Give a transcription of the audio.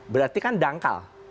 berarti kan dangkal